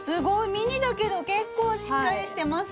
ミニだけど結構しっかりしてますね。